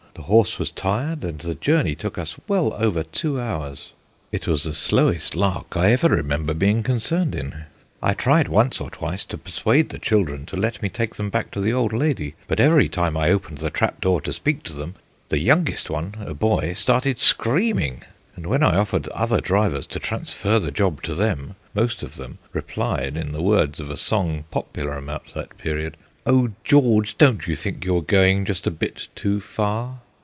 The horse was tired, and the journey took us well over two hours. It was the slowest lark I ever remember being concerned in. I tried once or twice to persuade the children to let me take them back to the old lady: but every time I opened the trap door to speak to them the youngest one, a boy, started screaming; and when I offered other drivers to transfer the job to them, most of them replied in the words of a song popular about that period: 'Oh, George, don't you think you're going just a bit too far?'